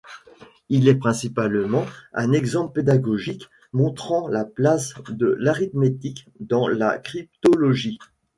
Il est principalement un exemple pédagogique montrant la place de l'arithmétique dans la cryptologie.